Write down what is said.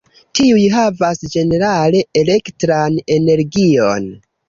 Tiuj havas ĝenerale elektran energion.